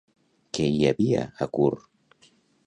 Què hi havia a Kur?